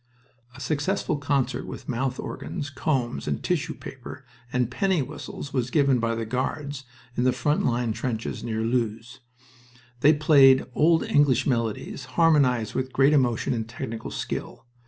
A successful concert with mouth organs, combs, and tissue paper and penny whistles was given by the Guards in the front line trenches near Loos. They played old English melodies, harmonized with great emotion and technical skill.